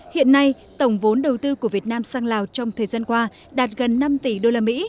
hiện nay tổng vốn đầu tư của việt nam sang lào trong thời gian qua đạt gần năm tỷ usd